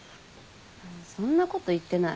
そんなこと言ってない。